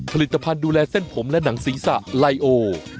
ผลิตภัณฑ์ดูแลเส้นผมและหนังศีรษะไลโอ